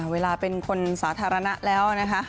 เวลาเป็นคนสาธารณะแล้วนะคะ